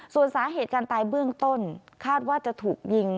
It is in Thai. ส่วนสาเหตุการตายเบื้องต้นคาดว่าจะถูกยิง